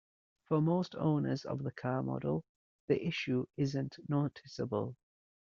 For most owners of the car model, the issue isn't noticeable.